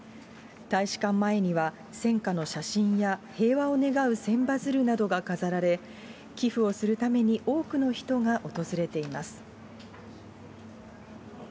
大使館前には、戦禍の写真や平和を願う千羽鶴などが飾られ、寄付をするために多くの人が訪れています。